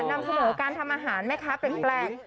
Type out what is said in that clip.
ใช่ค่ะนำเสนอการทำอาหารไหมคะเป็นแปลก